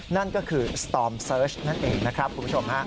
นั่นก็คือสตอมเสิร์ชนั่นเองนะครับคุณผู้ชมฮะ